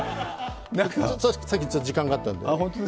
さっき時間があったんで。